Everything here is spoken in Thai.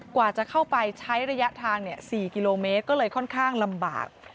กว่าจะเข้าไปใช้ระยะทาง๔กิโลเมตรก็เลยค่อนข้างลำบาก